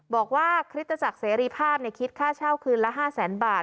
บอกว่าคริสตจักรเสรีภาพคิดค่าเช่าคืนละ๕แสนบาท